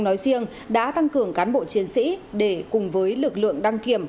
nói riêng đã tăng cường cán bộ chiến sĩ để cùng với lực lượng đăng kiểm